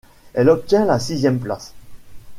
Elle obtient la sixième place.